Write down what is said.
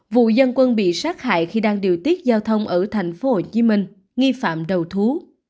vụ dân quân bị sát hại khi đang điều tiết giao thông ở tp hcm nghi phạm đầu thú